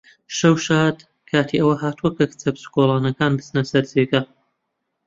شەو شاد! کاتی ئەوە هاتووە کە کچە بچکۆڵەکەکان بچنە سەر جێگا.